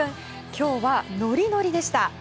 今日はノリノリでした。